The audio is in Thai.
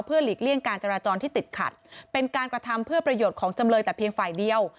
หลีกเลี่ยงการจราจรที่ติดขัดเป็นการกระทำเพื่อประโยชน์ของจำเลยแต่เพียงฝ่ายเดียว